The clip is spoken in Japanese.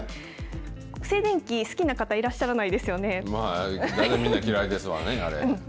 静電気好きな方、いらっしゃらなまあ、誰でも嫌いですわね。